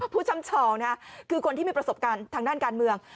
ช่ำชองนะคือคนที่มีประสบการณ์ทางด้านการเมือง